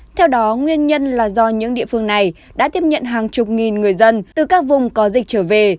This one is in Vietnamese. theo đó nguyên nhân là do những địa phương này đã tiếp nhận hàng chục nghìn người dân từ các vùng có dịch trở về